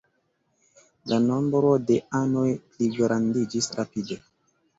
La nombro de anoj pligrandiĝis rapide.